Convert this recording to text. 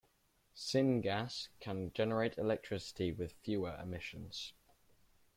Syngas can generate electricity with fewer emissions.